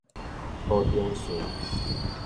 無重巡